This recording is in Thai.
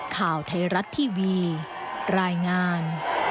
ข่าวไทยรัฐทีวีรายงาน